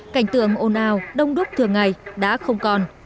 cảnh tường ồn ào đông đúc thường ngày đã không còn